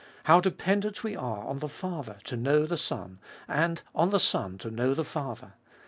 How dependent we are on the Father to know the Son; on the Son to know the Father.